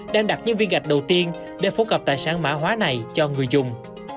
đang đặt những viên gạch đầu tiên để phổ cập tài sản mã hóa này cho người dùng